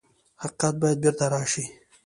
حقیقت باید بېرته راشي.